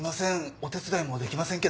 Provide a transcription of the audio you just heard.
お手伝いもできませんけど。